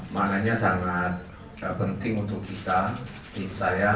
maknanya sangat penting untuk kita tim saya